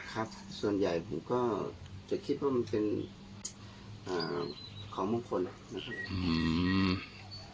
ครับส่วนใหญ่ผมก็จะคิดว่ามันเป็นอ่าของมงคลนะครับ